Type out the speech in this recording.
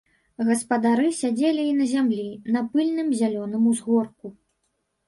Гаспадары сядзелі і на зямлі, на пыльным зялёным узгорку.